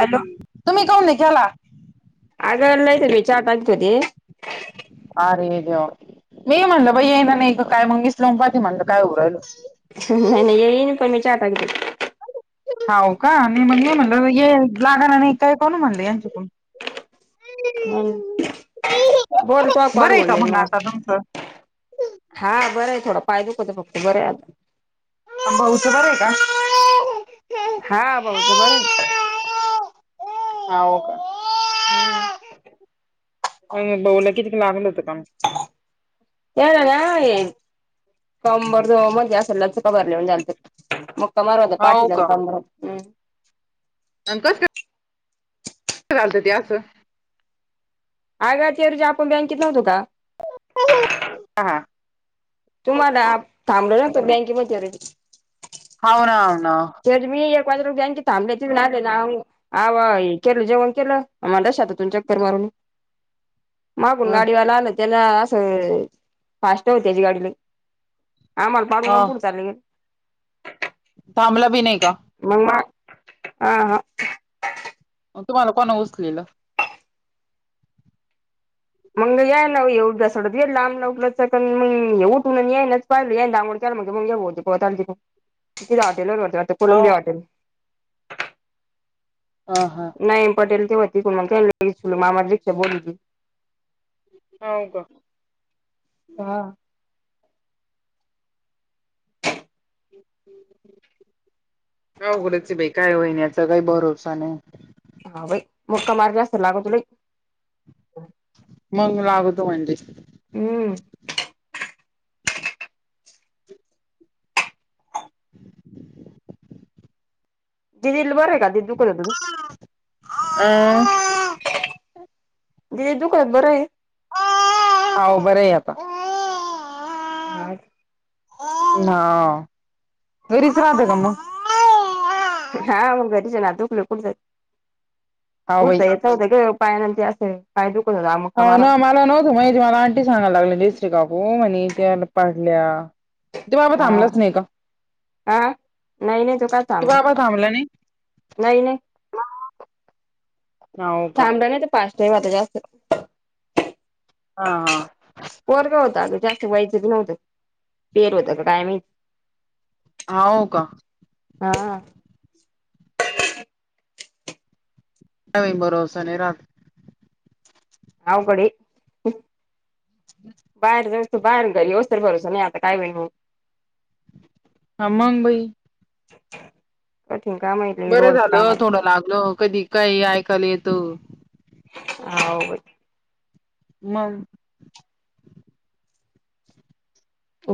Hello तुम्ही काऊन नाही केला? आग [unintelligible] चा पाजत होती. अरे देवा! मी म्हणलं बई येईना नाही काय? मं मीच लावून पाह्यती म्हणलं काय होऊ राह्यल. नाही नाही येईन त मी चा टाकते. हाव का? आणि मग मी म्हणल लागाना नाही काय काण म्हणलं यांच्याकडून. हम्म. बर [unintelligible] बरं चालू आहे होऊन का जाईल ना आता मग? तुमचं हा बरंय. थोडं पाय दुखतो फक्त. बरंये आता. भाऊच बर आहे का? हा. भाऊच बरय. हाव का? हम्म अ हिंडवल कितीक लागलं होत कानू. [unintelligible] कंबर मध्ये असे लचक भरलेल झाल्त. हाव [unintelligible] अन कस - झाल्त ते असं? आग त्यादिवशी आपण बँकेत नव्हतो का? हा हा. तुम्हाला थांबल [unintelligible] बँकेमध्येे रे हाव ना. हाव ना. तरी मी एक वाजपर्यंत बँकेत थांबले. तिथून आले ना? आवा केलं जेवण केलं. म लशात- चक्कर मारून मागून गाडीवाला आलं. त्याला असं फास्ट होती त्याची गाडी लई. आम्हाला पाडून हा न पुढे चाललं गेलं. थांबला बी नाही का? नाही व्ह. अं हां. मग तुम्हाला कोण उचलेलं? मग या ना एवढ्या सडत गे लांबला उलच. कारण मग ये उठून यईनाच. हि दांगोड केला मग पळत आले तिथून. ति हॉटेलत ता ह कोलंबी हॉटेल. ह हां. नाही पटेल ते [unintelligible] म आमाला कशाला बोलीवती. हो का? हा. अवघडंचए बाई. काय होईल याचा काही भरोसा नाही. हा बाई. मुक्का मार जास्त लागला तुले. मग लागतो म्हणजे? हम्म. दिदीला बरंय का? ते दुखत होत ते. दिदि दुखायचं बरंए? हाव, बरंय आता. [unintelligible] हा घरीच राहते का मग? हा म घरीच ना दुकल कुठ तर हा बाई उठता येत ग पायान ते अस. पाय दुखत होता म हाय ना मला नव्हतं माहिती मला आणंटी सांगाय लागलेली काकू म्हणी त्या पाडल्या. त्यो बाबा हा थांबलाच नाही का, हा नाही नाही तो काय बाबा थांबला नाही? नाही नाही! हो का थांबला नाही तो फास्ट ही होता जास्त. हा हा! पोरग होत आग जास्त वयाच बी नव्हतं पिलेलं होत का काय हाव का? हा! भरोसा नाही राहत. अवघड ये! बाहेर जाऊ बाहेर येऊ स्तर भरोस नाही आता काय बाई मग. हा मग बाई. [unintelligible] काय माहिती. बरं झालं थोडं लागल कधी काही ऐकायला येत. हाव बाई. मग!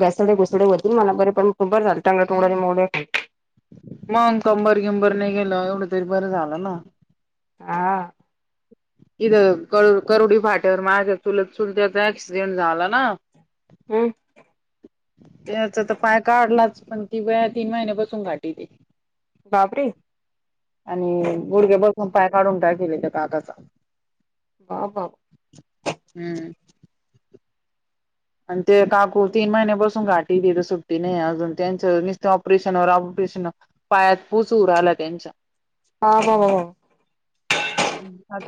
घासलय घुसलय वरती पण मला बरे पण तंगडं तुंगडं नाही मोडल. मंग कंबर गीबर नाही गेलं एवढं तरी बरं झालं ना. हा! इथं करुडी फाट्यावर माझ्या चुलत चुलत्याचा ऍक्सिडेंट झाला ना. हम्म! त्याचा तर पाय काढलाच पण ती बया तीन महिन्यापासून गाठीती. बापरे! आणि गुडघ्या पसन पाय काढून टाकिले त्या काकाचा. हा बा हम्म! आणि ते काकू तीन महिन्यापासून गाठी तिथ सुट्टीने अजून त्यांच नुसत ऑपरेशनवर ऑपरेशन पायात पूच होऊ राहिला त्यांच्या. बाबाहो! आत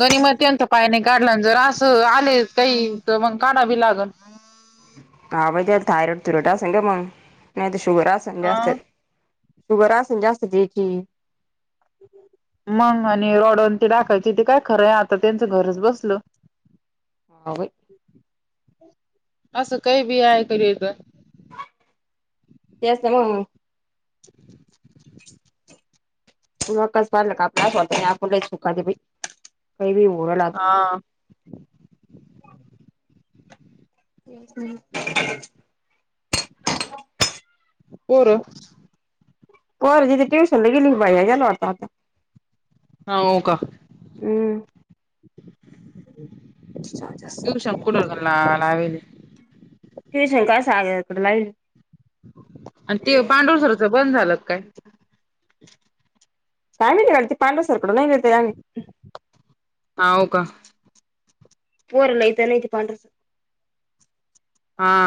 गणिम त्यांचा पाय नाही काढला जर असं आले काही तर मग काडव बी लागल. हा बा त्या थायरॉइड तुरॉड असन ग मग नाही तर शुगर असन जास्त. अ शुगर असन जास्त त्याची. [inaudible] मग आणि रॉड अन ते टाकायची ते काय खरं आता त्यांचं घरच बसल. हव बाई. असं काही बी ऐकायला येत. ते असल्या मूळ [inaudible] आस वाटत आपण लय सुख हाय बाई काय बी होऊ राहील आता. [inaudible] ते ना! पोर पोर तिथ ट्युशन ला गेली की बाई गेला होता आता. हा न का [inaudible] [unintelligible] हम्म ट्यूशन कठ ला लावेली [unintelligible] ट्यूशन कासग कई [unintelligible] आणि ते पांडुर सरच बंद झालं काय? काय माहित ते पांडूरा सारकडं नाही येत आही अव का [inaudible] [unintelligible] पर लय त्यां नाही इ ते पाड स [inaudible] [unintelligible] हा.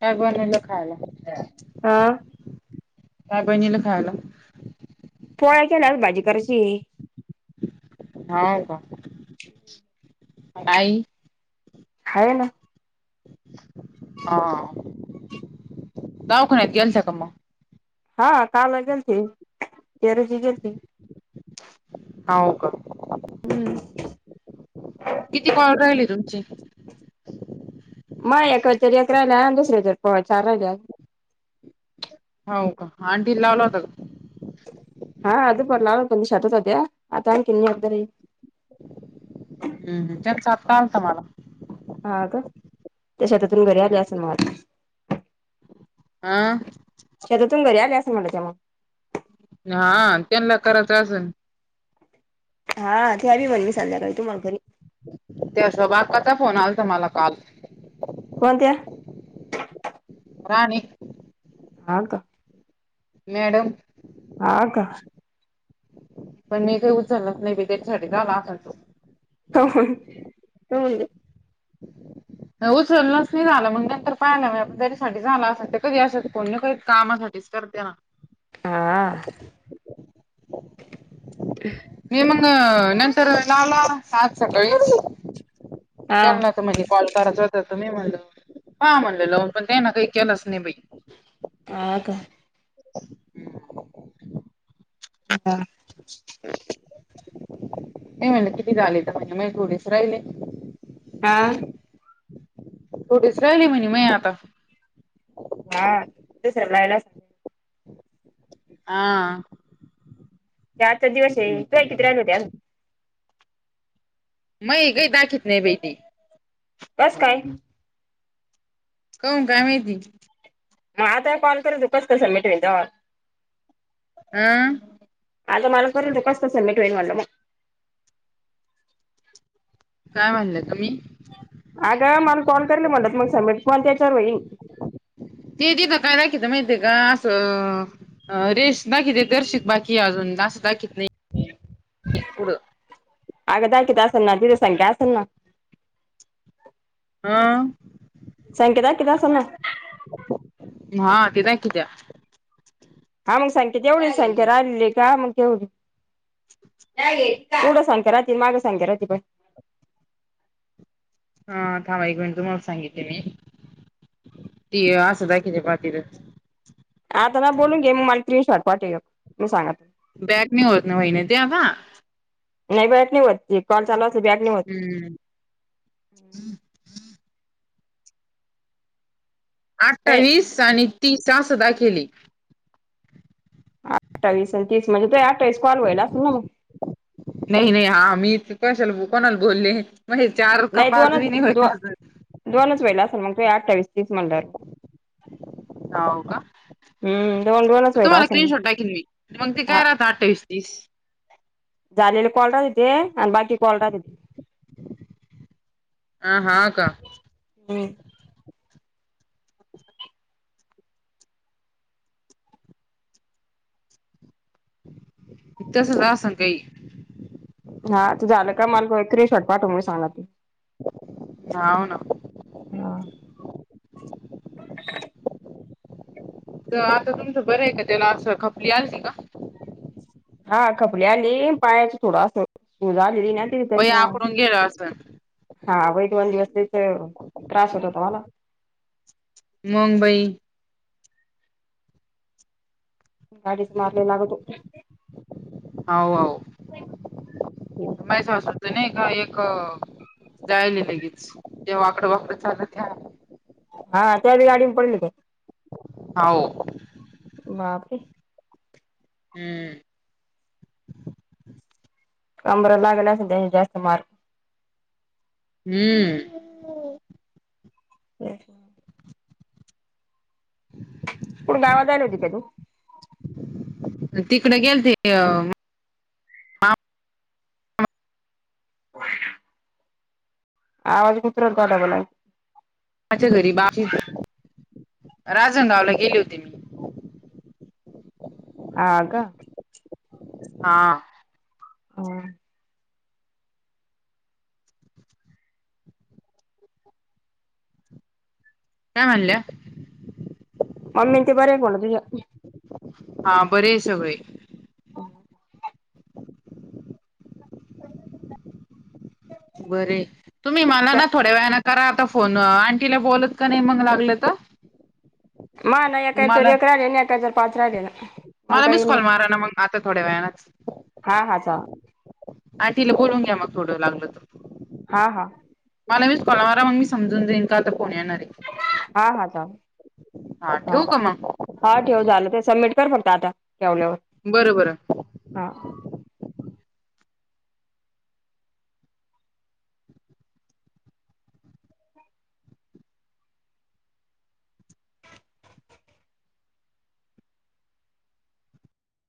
त्यागवान ल खायला. हा [unintelligible] काय बनवेल खायला. पोळ केल्यास भाजी कची? हा का नाहीई. खाय ना. हा काव दवाखान्यात गेलते का मग हा काल गेलती तेरजी गेलती. हा हो का? किती कॉल राहिली तुमची? मग एकतरी एक राहिल्या आणि दुसर्या तरी चार राहिल्या. हो का आंटी लावला होता. हा अध पला त छतचाध्या आता किन अर्ध र [inaudible] [unintelligible] हम् हम त्यानचा आलता मला हा ग त्या शतातून घरी आल्या असल मग हं. शत तुंगरी आले असं म्हटलं त्या मग [inaudible] [unintelligible] हा त्यांना करा तसं. हा ते आ मण मी साध्या कर तू माग घरी [inaudible] [unintelligible] ते स् बाग कता फोन आला त म्हाला काल [unintelligible] कोणत्या? राणी ह का [inaudible] मॅडम हा का? पण मी काही उचलत नाही बी त्याच्यासाठी जालालतो [unintelligible] हो ह. उचललंच नाही झालं म्हण. पाय नाही म जरीसाठी झाला असे ते कधी असत कोणी करधी कामासाठीच करते ना. हा. मी मग नंतर लाव आज सकाळी हा त्यांना तर म्हणजे कॉल करायच होत तुम्ी म्हणल ह म्हणललं पाहा त्यांना काही केलंच नाही बाई काक [unintelligible] [inaudible] [unintelligible] हम्म. ह [unintelligible] नाही म्हणलं किती झाले तरहि थोेस राहिले. हा. थोटच राहिले म्हणे म आता हा सलाला हा. ते आचा दिवस आहेटतल. मई काही दाखत नाही बेटी त्यात काय काऊन काय माहिती मग आता कॉल करू दुकास कसं मिट वे जा आं आता मला कर तो का असतल मिटवेन म्हणलं मग काय म्हनले तुम्ही अगं मला कॉल करला म्हणात मग समेट पन त्याच्यावर होईल ते तिथं काय दाखितच माहितीय का असं अ रेष दाखविती दर्शित बाकी अजून जास्त कि नाही ह इकड आग दाकीत अस ना द दि संख्या अस ना ह संकेत किदा स ना हा ती दाखवित्या हा मग संख्यात तेवढीच संख्या राहिली का मग तेवढी पुढं संख्या राह माग संख्या राहती प हा थांबा एक मिनट तुम्हाला सांगितली मी ती असं दाखविते पा तिथं आता ना बोलून घे मग मला स्क्रीन शॉट पाठव एक मी सांग बॅग नाही होत नाही वहिने ते आता नाही बॅक नाही होत ते हम्म काय अठ्ठावीस आणि तिस असं दाखविले अठ्ठवीस आणि तीस म्हणज ते अठ्ठवीस कॉल होय असल ना मग नाही, नाही हा मी कशाला कोणाला बोलले चार का पाच दोनच नाही दो अजून दोनच वेला असेल मग तु अठ्ठावीस तीस म्हणल्यावर हव का हम्म दोन दोनच व्हायला तुम्हाला असेल स्क्रीन शॉट मग टाखेन मी मग ते हा काय राहत अठ्ठावीस तीस झालेले कॉल येते आणि बाकी कॉल राहतेत आह का इ तसंचन काही हा तू झालं का मला स्क्रीन शॉट पाठव मग सांगा ते हाव ना अ.. तर आता तुमचं बरं आहे का त्याला असं खपली आलती का हा खपली आली पायाच थोडसं सूज आलेली ना त वय त्याच्यामुळे आकडून गेलं असं हा वै दवन दिवसच त्रास होत त म्हाला मंग बाई गाडीच मार लई लागत हाव, हाव हो नाही का एक जायला लगेच ते वाकडं, वाकडं चालतं हा त्या गाडीवरून पडली होते हाव बापे हम्म कंबरला लाग अस जास्त मार हम्म हम्ा कोण गावात जायला होतीस काय तू तिकडे गेल ते अ आवाज कितर दडा ब लागे [unintelligible] माझ्या घरी बा राजणगावला गेले होते मी. हा का हा काय म्हणल्या? मम्मीने ते बरे का तुझ्या? हा बरं आहे सगळे बरे तुम्ही मला ना थोड्या वेळाने करा आता फोन आंटीला बोलत का नाही मग लागलं तर मा नाही एकाच्यावर मला एकरा देणे एकाच्यावर पाच राहिले मग मला काही मिसकॉल नाही मारा ना मग आता थोड्या वेळलाने हा हा चा अटीला तिला बोलून घ्या मग थोडं लागलं तर हा हा मला मी मिस मारा मग मी समजून देईन का आता कोण येणार आहे. हा हा हा चालतंय ठेवू का मग हा ठेव झालं ते सबमिट कर फक्त आता ठेवल्यावर बरं बरं हा